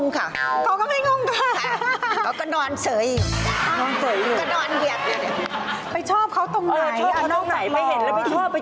เขาไปทำอะไรใต้สะพาน